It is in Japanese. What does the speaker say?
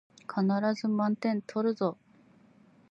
必ず満点取るぞ